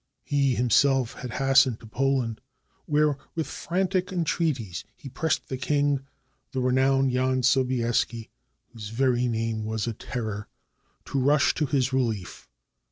He himself had hastened to Poland, where, with frantic entreaties, he pressed the king, the renowned John Sobieski, whose very name was a terror, to rush to his relief.